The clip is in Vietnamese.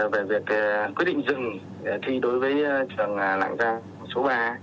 về việc quyết định dừng thi đối với trường lạng giang số ba